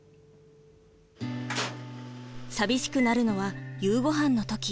寂しくなるのは夕ごはんの時。